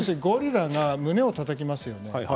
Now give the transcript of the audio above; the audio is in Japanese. ゴリラが胸をたたきますよね？